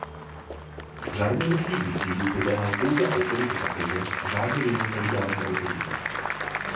Řád německých rytířů podléhal pouze autoritě papeže a žádné jiné feudální autoritě.